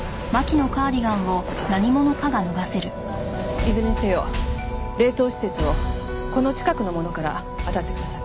いずれにせよ冷凍施設をこの近くのものから当たってください。